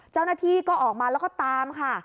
เจ้าหน้าที่ก็ออกมาแล้วก็ตามค่ะ